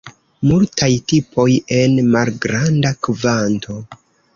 Multaj tipoj en malgranda kvanto.